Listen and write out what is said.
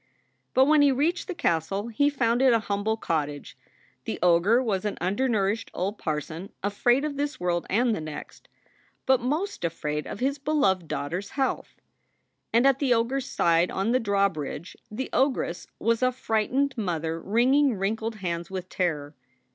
But when he reached the castle he found it a humble cot tage; the ogre was an undernourished old parson afraid of this world and the next, but most afraid of his beloved 34 SOULS FOR SALE daughter s health. And at the ogre s side on the drawbridge the ogress was a frightened mother wringing wrinkled hands with terror.